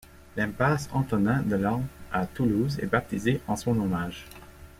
L'impasse Antonin-Delorme, à Toulouse, est baptisé en son hommage.